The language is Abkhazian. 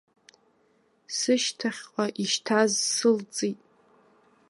Сышьҭахьҟа ишьҭаз сылҵит.